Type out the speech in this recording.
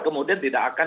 kemudian tidak akan